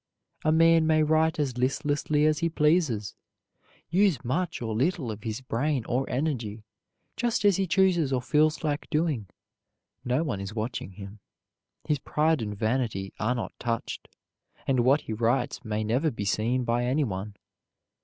A man may write as listlessly as he pleases, use much or little of his brain or energy, just as he chooses or feels like doing. No one is watching him. His pride and vanity are not touched, and what he writes may never be seen by anyone.